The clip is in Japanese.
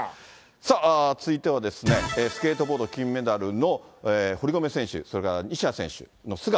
さあ、続いてはですね、スケートボード金メダルの堀米選手、それから西矢選手の素顔。